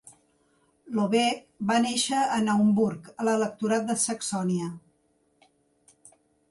Lobeck va néixer a Naumburg, a l'electorat de Saxònia.